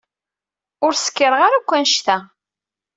Ur skiṛeɣ ara akk annect-a.